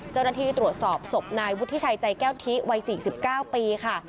เจ้าหน้าที่ตรวจสอบศพนายวุฒิชัยใจแก้วทิวัย๔๙ปีค่ะ